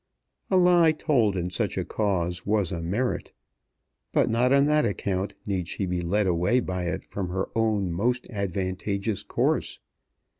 A lie told in such a cause was a merit. But not on that account need she be led away by it from her own most advantageous course.